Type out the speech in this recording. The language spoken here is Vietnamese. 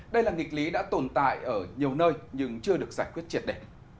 đây là nghịch lý đã tồn tại ở nhiều nơi nhưng chưa được giải quyết triệt để